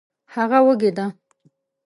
هغه وږې ده